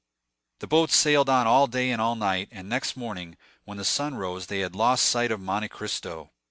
The boat sailed on all day and all night, and next morning, when the sun rose, they had lost sight of Monte Cristo.